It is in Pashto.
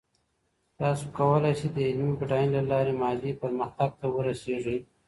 تاسو کولای سئ د علمي بډاينې له لاري مادي پرمختګ ته ورسېږئ.